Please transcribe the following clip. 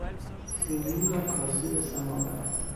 سینی و کاسه سماور